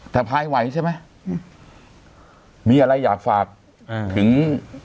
แต่พายไหวใช่ไหมมีอะไรอยากฝากถึง